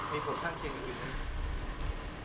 มีผลข้างเคียงกันอีกไหม